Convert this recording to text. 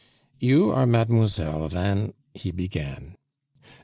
"You are Mademoiselle van " he began.